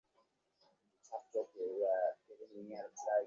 আমরা যেতেই বলে উঠল, তোমরা ভাবছ লোকটা ফেরে কেন?